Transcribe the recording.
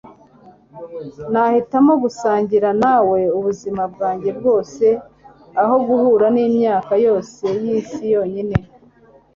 Nahitamo gusangira nawe ubuzima bwanjye bwose aho guhura n'imyaka yose y'isi yonyine.”